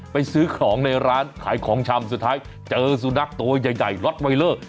ซื้อของในร้านขายของชำสุดท้ายเจอสุนัขตัวใหญ่ล็อตไวเลอร์